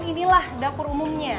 kemudian inilah dapur umumnya